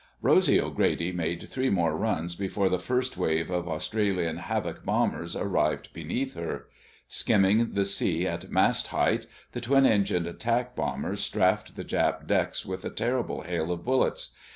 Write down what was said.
Rosy O'Grady made three more runs before the first wave of Australian Havoc bombers arrived beneath her. Skimming the sea at mast height, the twin engined attack bombers strafed the Jap decks with a terrible hail of bullets.